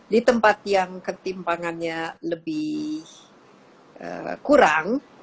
di tempat yang ketimpangannya lebih kurang